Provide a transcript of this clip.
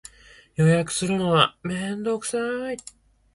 予約するのはめんどくさい